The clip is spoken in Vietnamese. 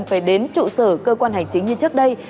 phải đến trụ sở cơ quan hành chính như trước đây